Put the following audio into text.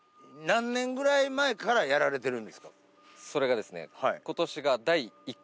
それがですね。